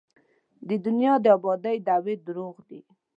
د دنیا د ابادۍ دعوې درواغ دي.